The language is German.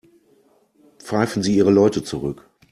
Pfeifen Sie Ihre Leute zurück.